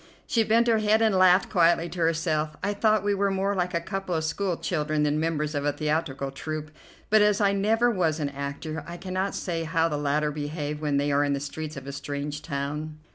She bent her head and laughed quietly to herself. I thought we were more like a couple of school children than members of a theatrical troupe, but as I never was an actor I cannot say how the latter behave when they are on the streets of a strange town.